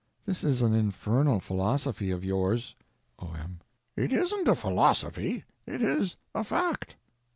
This is an infernal philosophy of yours. O.M. It isn't a philosophy, it is a fact.